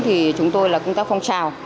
thì chúng tôi là công tác phong trào